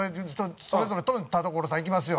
それぞれ「田所さん行きますよ」